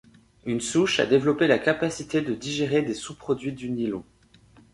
Une souche a développé la capacité de digérer des sous-produits du nylon.